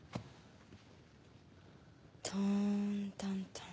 トーンタンタン。